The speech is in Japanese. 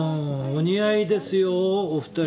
お似合いですよお二人。